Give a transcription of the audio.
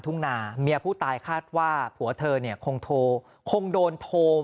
ทุ่งนาเมียผู้ตายคาดว่าผัวเธอเนี่ยคงโทรคงโดนโทร